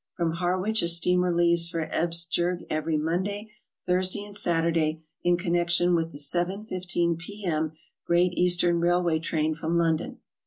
From Harwich a steamer leaves for Esbjerg every Monday, Thursday and Saturday in con nection with the 7.15 p. m. Great Eastern Railway train from London.